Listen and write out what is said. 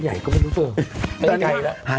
ไฮรี่ค่ะ